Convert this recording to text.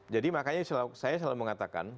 jadi makanya saya selalu mengatakan